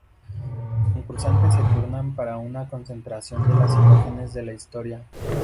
Los concursantes se turnan para una concentración de las imágenes de la historia.